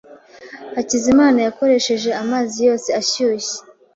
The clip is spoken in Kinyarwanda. Hakizimana yakoresheje amazi yose ashyushye.